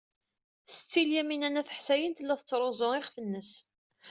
Setti Lyamina n At Ḥsayen tella tettruẓu iɣef-nnes.